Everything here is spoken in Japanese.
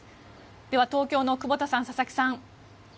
では、東京の久保田さん、佐々木さん。